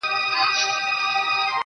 • وېريږي نه خو انگازه يې بله.